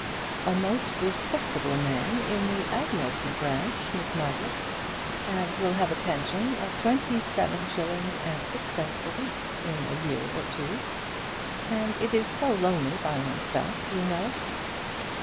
"A most respectable man, in the Admiralty branch, Miss Margaret, and will have a pension of twenty seven shillings and sixpence a week in a year or two. And it is so lonely by oneself, you know."